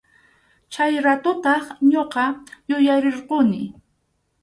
Chay ratutaq ñuqa yuyarirquni.